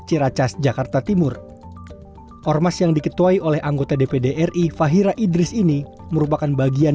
ciracas jakarta timur ormas yang diketuai oleh anggota dpd ri fahira idris ini merupakan bagian